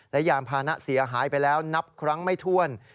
และยานพานะเสียหายไปแล้วนับครั้งไม่ถ้วน